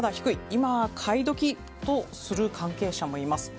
今は買い時！とする関係者もいます。